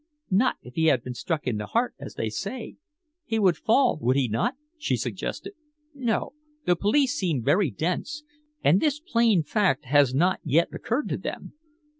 "Not if he had been struck in the heart, as they say. He would fall, would he not?" she suggested. "No. The police seem very dense, and this plain fact has not yet occurred to them.